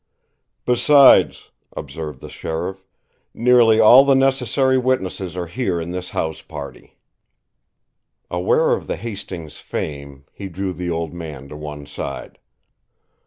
"Besides," observed the sheriff, "nearly all the necessary witnesses are here in this house party." Aware of the Hastings fame, he drew the old man to one side.